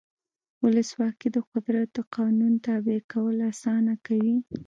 ولسواکي د قدرت د قانون تابع کول اسانه کوي.